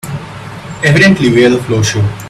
Evidently we're the floor show.